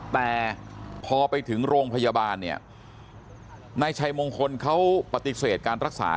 แต่พอไปถึงโรงพยาบาลเนี่ยนายชัยมงคลเขาปฏิเสธการรักษา